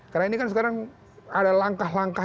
karena ini kan sekarang ada langkah langkah